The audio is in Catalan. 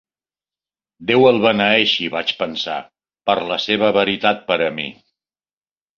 "Déu el beneeixi," vaig pensar, "per la seva veritat per a mi!"